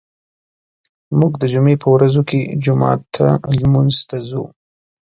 موږ د جمعې په ورځو کې جومات ته لمونځ ته ځو.